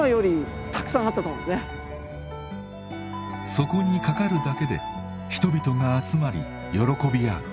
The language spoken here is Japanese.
そこにかかるだけで人々が集まり喜び合う。